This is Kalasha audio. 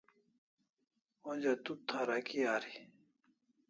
Onja tu tharaki ari